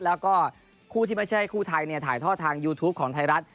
แล้วก็คู่ที่ไม่ใช่คู่ไทยถ่ายทอดทางยูทูปของไทยรัฐ